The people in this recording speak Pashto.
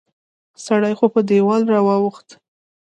سړی خو په دیوال را واوښت